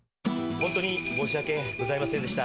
本当に申し訳ございませんでした。